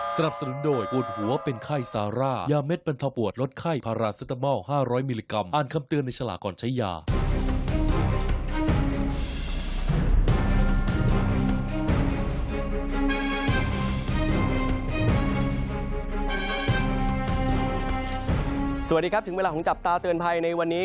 สวัสดีครับถึงเวลาของจับตาเตือนภัยในวันนี้